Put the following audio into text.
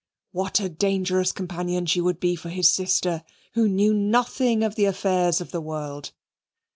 What a dangerous companion she would be for his sister, who knew nothing of the affairs of the world!